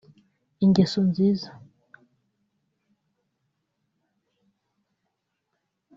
ingeso nziza